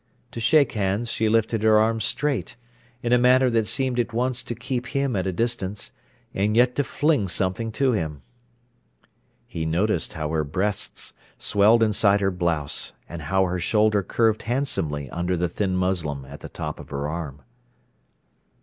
To shake hands she lifted her arm straight, in a manner that seemed at once to keep him at a distance, and yet to fling something to him. He noticed how her breasts swelled inside her blouse, and how her shoulder curved handsomely under the thin muslin at the top of her arm.